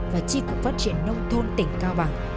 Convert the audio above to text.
và tri cục phát triển nông thôn tỉnh cao bằng